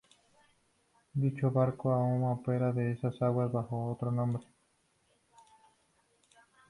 Dicho barco aun opera en esas aguas, bajo otro nombre.